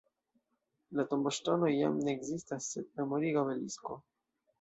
La tomboŝtonoj jam ne ekzistas sed memoriga obelisko.